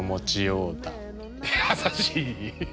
優しい。